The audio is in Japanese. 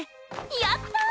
やった！